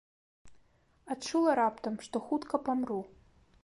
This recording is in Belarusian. Адчула раптам, што хутка памру!